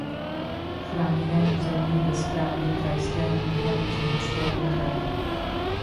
Chráněné území je ve správě Krajského úřadu Zlínského kraje.